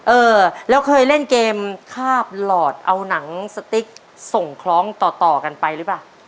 เออแล้วเคยเล่นเกมคาบหลอดเอาหนังสติ๊กส่งคล้องต่อต่อกันไปหรือเปล่า